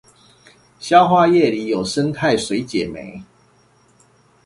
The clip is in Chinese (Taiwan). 消化液裏有胜肽水解酶